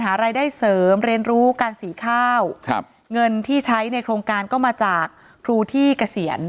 หารายได้เสริมเรียนรู้การสีข้าวครับเงินที่ใช้ในโครงการก็มาจากครูที่เกษียณ